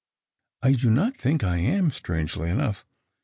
I do not think I am, strangely enough."